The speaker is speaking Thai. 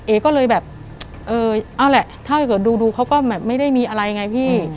ก็เลยแบบเออเอาแหละถ้าเกิดดูเขาก็แบบไม่ได้มีอะไรไงพี่